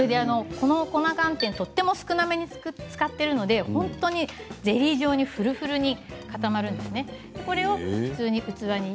粉寒天を少なめに使っているのでゼリー状にフルフルに固まるんですよ。